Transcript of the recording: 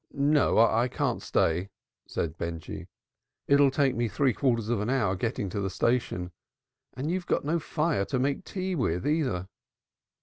"No, I can't stay," said Benjy. "It'll take me three quarters of an hour getting to the station. And you've got no fire to make tea with either."